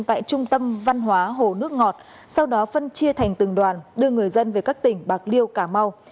tại trung tâm văn hóa hồ nước ngọt sau đó phân chia thành từng đoàn đưa người dân về các tỉnh bạc liêu cà mau